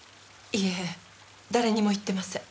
いいえ誰にも言ってません。